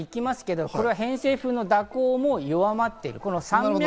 偏西風の蛇行も弱まっている。